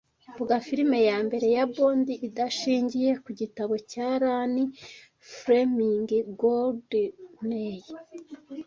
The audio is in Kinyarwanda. Vuga film ya mbere ya Bond idashingiye ku gitabo cya Ian Fleming Goldeneye